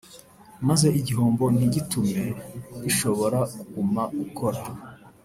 maze igihombo ntigitume bishobora kuguma gukora